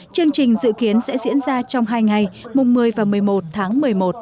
chương trình dự kiến sẽ diễn ra trong hai ngày mùng một mươi và một mươi một tháng một mươi một